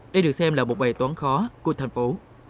đây được xem là một bài toán khó của thành phố